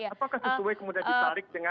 apakah sesuai kemudian ditarik dengan